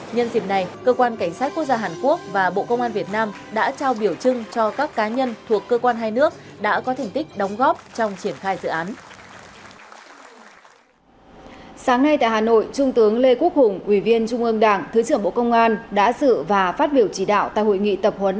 nhân dịp này cơ quan cảnh sát quốc gia hàn quốc và bộ công an việt nam đã trao biểu trưng cho các cá nhân thuộc cơ quan hai nước đã có thành tích đóng góp trong triển khai dự án